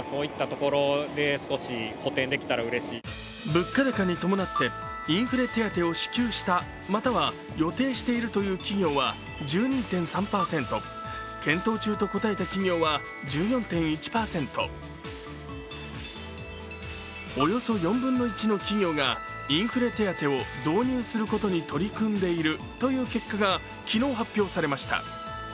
物価高に伴って、インフレ手当を支給した、または予定しているという企業は１２．３％、検討中と答えた企業は１４．１％およそ４分の１の企業がインフレ手当を導入することに取り組んでいるという結果が昨日発表されました。